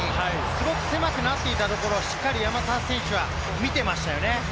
すごく狭くなっていたところをしっかり山沢選手は見ていましたよね。